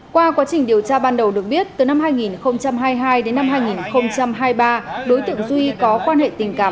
qua quá trình điều tra ban đầu được biết từ năm hai nghìn hai mươi hai đến năm hai nghìn hai mươi ba đối tượng duy có quan hệ tình cảm